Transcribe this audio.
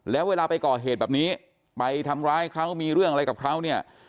แล้วเวลาไปก่อเหตุแบบนี้ไปทำร้ายเขามีเรื่องอะไรกับเขาเนี่ย